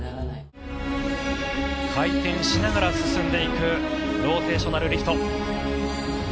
回転しながら進んでいく、ローテーショナルリフト。